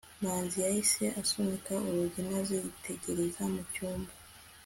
manzi yahise asunika urugi maze yitegereza mu cyumba